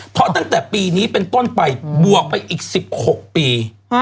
เพราะตั้งแต่ปีนี้เป็นต้นไปบวกไปอีก๑๖ปี